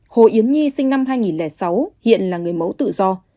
hồ yến nhi sinh năm hai nghìn sáu hiện là người mẫu tự do